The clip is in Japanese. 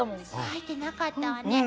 描いてなかったわね。